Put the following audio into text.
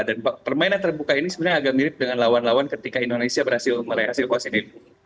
dan permainan terbuka ini sebenarnya agak mirip dengan lawan lawan ketika indonesia berhasil melihat hasil kursi ini